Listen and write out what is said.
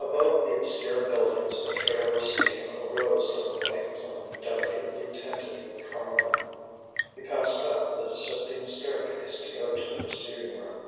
Above the obscure buildings a trail of steam arose like a white plume delicately tinted with carmine. He passed up the sifting staircase to go to the receiving room.